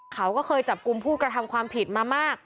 เขาก็เคยจับกลุ่มผู้กระทำความผิดมามาก